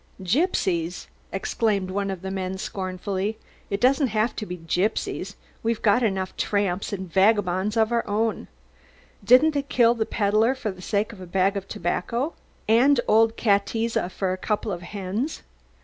"Gypsies?" exclaimed one man scornfully. "It doesn't have to be gypsies, we've got enough tramps and vagabonds of our own. Didn't they kill the pedlar for the sake of a bag of tobacco, and old Katiza for a couple of hens?"